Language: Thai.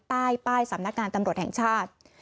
ใต้ป้ายสำนักงานตำรวจแห่งชาติ